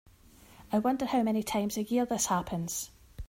I wonder how many times a year this happens.